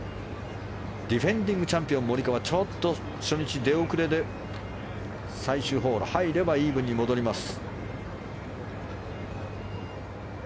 ディフェンディングチャンピオンモリカワ、ちょっと初日出遅れで最終ホール、入ればイーブンに戻ります。